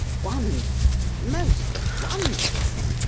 "Wonderful, most wonderful!"